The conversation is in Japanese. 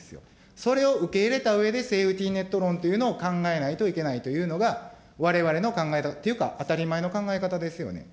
それを受け入れたうえで、セーフティネット論というのを考えないといけないというのが、われわれの考え方、っていうか、当たり前の考え方ですよね。